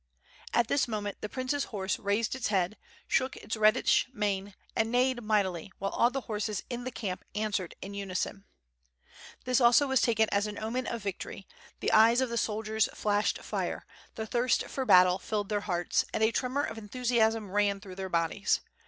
At this moment the prince's horse raised its head, shook its reddish mane, and neighed mightily, while all the horses in the camp answered in unison. This also was taken as an omen of victory, the eyes of the soldiers flashed fire, the thirst for battle filled their hearts, and a tremor of enthusiasm ran through their bodies.